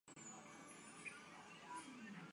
以他们的交情